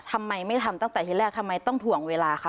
ทำไมไม่ทำตั้งแต่ที่แรกทำไมต้องถ่วงเวลาคะ